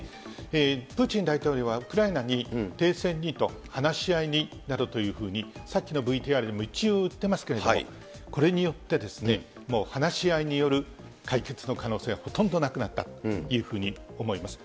プーチン大統領はウクライナに、停戦にと、話し合いになどと、さっきのＶＴＲでも一応言ってますけれども、これによってですね、もう話し合いによる解決の可能性はほとんどなくなったというふうに思います。